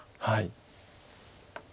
はい。